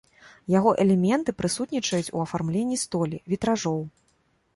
Яго элементы прысутнічаюць у афармленні столі, вітражоў.